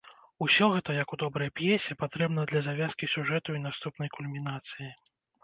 Усё гэта, як у добрай п'есе, патрэбна для завязкі сюжэту і наступнай кульмінацыі.